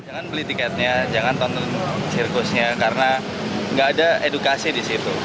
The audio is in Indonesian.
jangan beli tiketnya jangan tonton sirkusnya karena nggak ada edukasi di situ